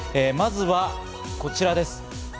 まずはこちらです。